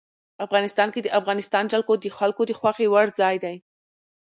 افغانستان کې د افغانستان جلکو د خلکو د خوښې وړ ځای دی.